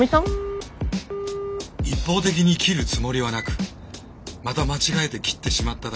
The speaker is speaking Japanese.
一方的に切るつもりはなくまた間違えて切ってしまっただけで困惑中。